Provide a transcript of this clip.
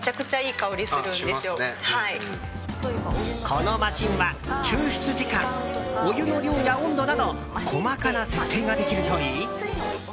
このマシンは抽出時間お湯の量や温度など細かな設定ができるといい。